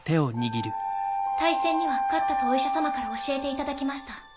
大戦には勝ったとお医者様から教えていただきました。